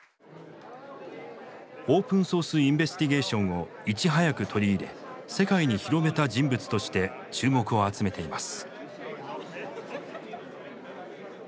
オープンソース・インベスティゲーションをいち早く取り入れ世界に広めた人物として注目を集めています。